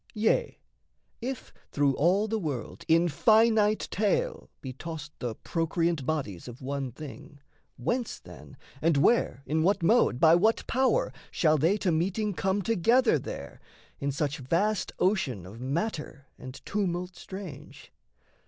Yea, if through all the world in finite tale Be tossed the procreant bodies of one thing, Whence, then, and where in what mode, by what power, Shall they to meeting come together there, In such vast ocean of matter and tumult strange?